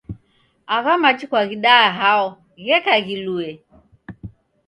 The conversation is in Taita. Agha machi kwaghidaya hao gheka ghilue?